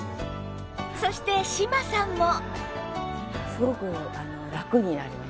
そして島さんも